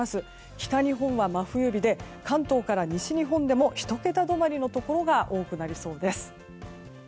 北日本は真冬日で関東から西日本でも１桁止まりのところが多くなりそうです。